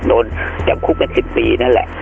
จำคุกกัน๑๐ปีนั่นแหละ